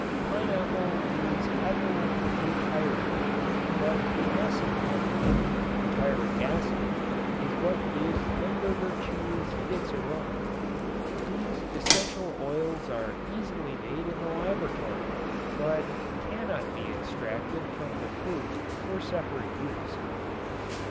Pineapple is ethyl butyrate but the acid part of it (butyric acid) is what gives Limburger cheese its aroma. These essential oils are easily made in the laboratory, but cannot be extracted from the fruit for separate use.